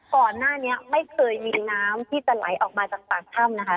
ก่อนหน้านี้ไม่เคยมีน้ำที่จะไหลออกมาจากปากถ้ำนะคะ